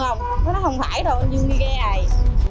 nó nói không phải đâu anh dương đi gai